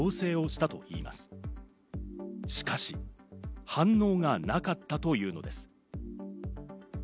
しかし、反応がなかったというのです。